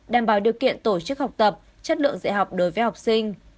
thực hiện tổ chức học tập chất lượng dạy học đối với học sinh